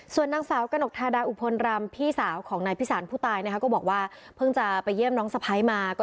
ส่วนนางสาวกระหนกทาดาอุพลรำพี่สาวของนายพิสารผู้ตายนะคะก็บอกว่าเพิ่งจะไปเยี่ยมน้องสะพ้ายมา